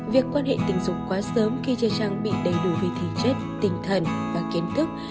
việc quan hệ tình dục quá sớm khi chưa trang bị đầy đủ về thể chất tinh thần và kiến thức